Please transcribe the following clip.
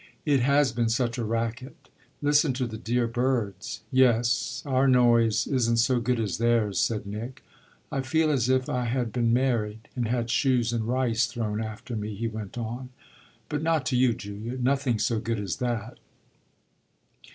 "It has been such a racket. Listen to the dear birds." "Yes, our noise isn't so good as theirs," said Nick. "I feel as if I had been married and had shoes and rice thrown after me," he went on. "But not to you, Julia nothing so good as that."